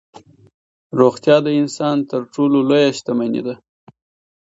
روغتیا د انسان تر ټولو لویه شتمني ده.